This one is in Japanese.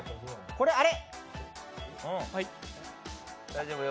これ、あれ！